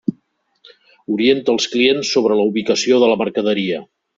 Orienta els clients sobre la ubicació de la mercaderia.